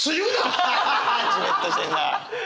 じめっとしてんな！